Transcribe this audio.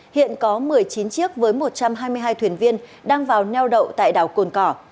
hiện có một mươi chín chiếc với một trăm hai mươi hai thuyền viên đang vào neo đậu tại đảo cồn cỏ